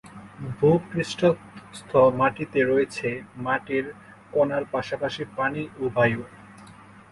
ভূ-পৃষ্ঠস্থ মাটিতে রয়েছে মাটির কণার পাশাপাশি পানি ও বায়ু।